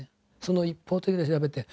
一方的に調べて。